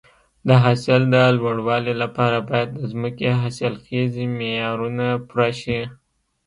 د حاصل د لوړوالي لپاره باید د ځمکې حاصلخیزي معیارونه پوره شي.